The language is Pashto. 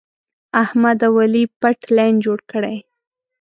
احمد او علي پټ لین جوړ کړی.